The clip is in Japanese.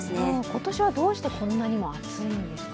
今年はどうしてこんなにも暑いんですか？